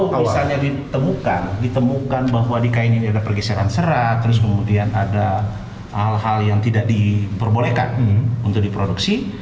kalau misalnya ditemukan ditemukan bahwa di kain ini ada pergeseran serat terus kemudian ada hal hal yang tidak diperbolehkan untuk diproduksi